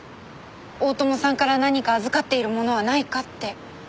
大友さんから何か預かっているものはないかって。